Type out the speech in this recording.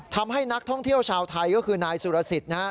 ทำให้นักท่องเที่ยวชาวไทยก็คือนายสุรสิทธิ์นะฮะ